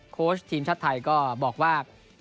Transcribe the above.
โค้ชทีมชาติไทยก็บอกว่า